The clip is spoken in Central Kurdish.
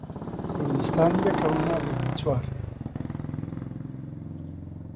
کوردستان یەکە و نابێت بە چوار.